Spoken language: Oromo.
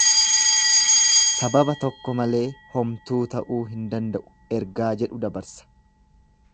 Sababa tokko malee homtuu ta'uu hin danda'u ergaa jedhu dabarsa.